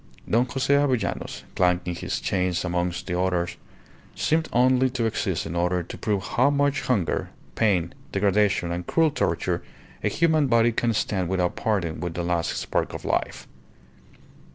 Don Jose Avellanos, clanking his chains amongst the others, seemed only to exist in order to prove how much hunger, pain, degradation, and cruel torture a human body can stand without parting with the last spark of life.